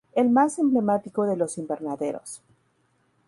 El más emblemático de los invernaderos.